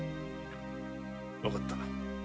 わかった。